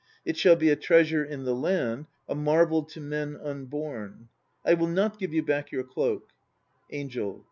It shall be a treasure in the land, a marvel to men unborn. 1 I will not give back your cloak. ANGEL.